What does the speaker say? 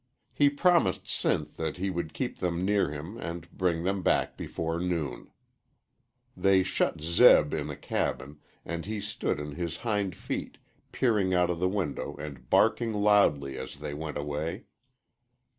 He promised Sinth that he would keep them near him and bring them back before noon, They shut Zeb in a cabin, and he stood on his hind feet peering out of the window and barking loudly as they went away.